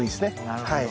なるほど。